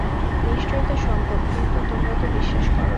নিশ্চয়ই তা সম্ভব, কিন্তু তোমরা তো বিশ্বাস কর না।